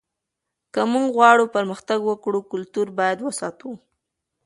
که موږ غواړو پرمختګ وکړو کلتور باید وساتو.